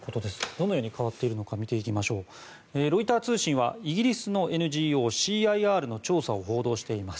どのように変わっているのか見ていきますとロイター通信はイギリスのＮＧＯＣＩＲの調査を報道しています。